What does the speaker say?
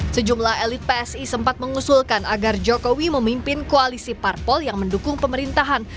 sejumlah elit psi sempat mengusulkan agar jokowi memimpin koalisi parpol yang mendukung pemerintahan